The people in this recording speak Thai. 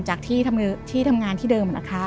จากที่ทำงานที่เดิมนะคะ